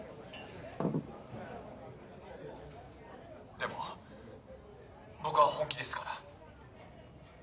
でも僕は本気ですから。